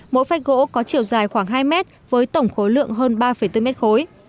mỗi phách gỗ có chiều dài khoảng hai mét với tổng khối lượng hơn ba bốn mét khối